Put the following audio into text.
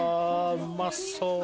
うまそう！